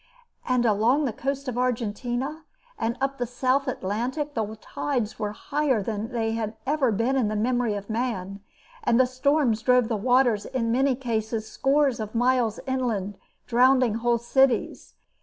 And along the coast of Argentina and up the South Atlantic the tides were higher than had ever been in the memory of man, and the storms drove the waters in many cases scores of miles inland, drowning whole cities.